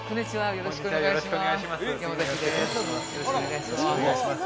よろしくお願いします